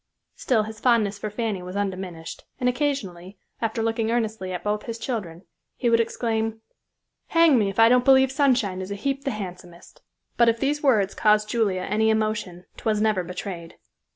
Still his fondness for Fanny was undiminished, and occasionally, after looking earnestly at both his children, he would exclaim, "Hang me, if I don't b'lieve Sunshine is a heap the handsomest"; but if these words caused Julia any emotion, 'twas never betrayed.